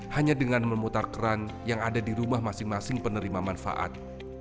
hanya dengan memutar keran yang ada di rumah masing masing penerima manfaat